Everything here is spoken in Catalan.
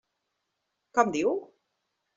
Com diu?